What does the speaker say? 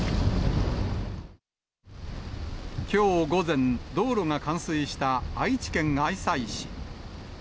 きょう午前、道路が冠水した愛知県愛西市。